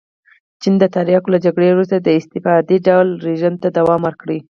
چین د تریاکو له جګړې وروسته استبدادي ډوله رژیم ته دوام ورکړ.